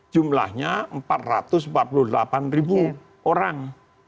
jumlahnya empat ratus empat puluh delapan ribu orang